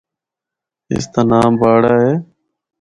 اس دا ناں باڑہ ہے۔